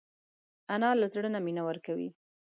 انا له زړه نه مینه ورکوي